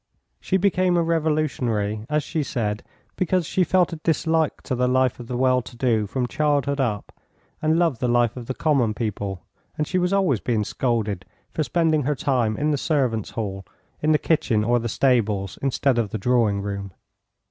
She became a revolutionary, as she said, because she felt a dislike to the life of the well to do from childhood up, and loved the life of the common people, and she was always being scolded for spending her time in the servants' hall, in the kitchen or the stables instead of the drawing room.